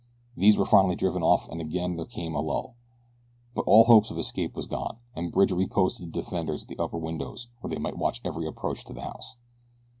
These were finally driven off and again there came a lull; but all hope of escape was gone, and Bridge reposted the defenders at the upper windows where they might watch every approach to the house.